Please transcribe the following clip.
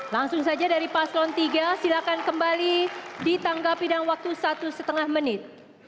langsung saja dari paslon tiga silakan kembali di tangga pidang waktu satu lima menit